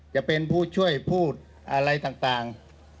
จะเป็นผู้ช่วยพูดอะไรต่าง